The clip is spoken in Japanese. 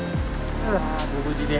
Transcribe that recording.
ご無事で。